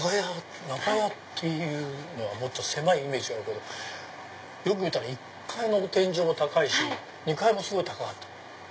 長屋っていうのはもっと狭いイメージがあるけどよく見たら１階の天井も高いし２階もすごい高かった。